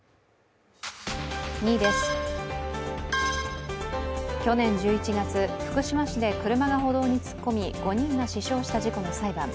２位です、去年１１月、福島市で車が歩道に突っ込み５人が死傷した事故の裁判。